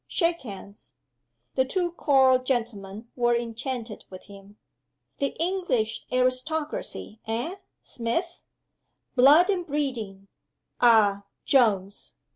Shake hands!" The two choral gentlemen were enchanted with him. "The English aristocracy eh, Smith?" "Blood and breeding ah, Jones!"